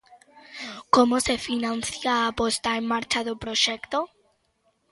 Como se financia a posta en marcha do proxecto?